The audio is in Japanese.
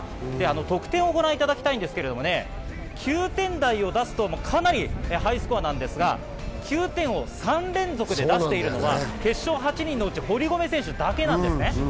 得点をご覧いただきたいんですが９点台を出すと、かなりハイスコアなんですが、９点を３連続で出しているのは決勝８人のうち堀米選手だけなんです。